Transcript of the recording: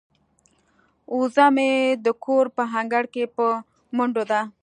وزه مې د کور په انګړ کې په منډو ده.